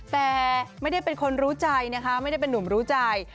แต่ไม่ได้เป็นคนรู้ใจนะคะไม่ได้เป็นนุ่มรู้ใจ